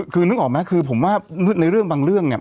คือนึกออกไหมคือผมว่าในเรื่องบางเรื่องเนี่ย